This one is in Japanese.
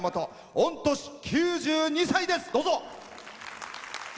御年９２歳です。